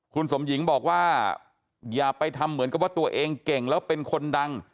คุณสมหญิงบอกว่าอย่าไปทำเหมือนกับว่าตัวเองเก่งแล้วเป็นคนดัง